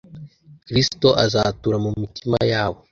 kristo azatura mu mitima yabo